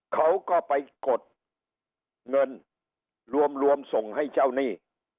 เขาก็ไปกดเงินรวมส่งให้เจ้าหนี้